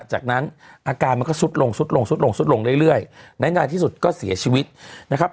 จากนั้นอาการมันก็สุดลงเรื่อยในนานที่สุดก็เสียชีวิตนะครับ